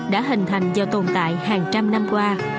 đã hình thành và tồn tại hàng trăm năm qua